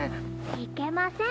いけません。